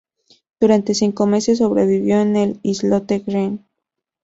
Durante cinco meses sobrevivieron en el islote Green.